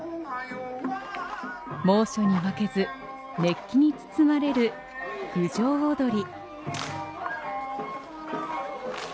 猛暑に負けず熱気に包まれる郡上おどり。